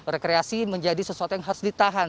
rekreasi menjadi sesuatu yang harus ditahan